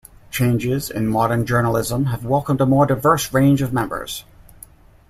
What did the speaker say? Changes in modern journalism have welcomed a more diverse range of members.